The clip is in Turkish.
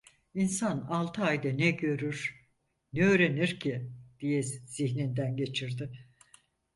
"İnsan altı ayda ne görür, ne öğrenir ki?" diye zihninden geçirdi…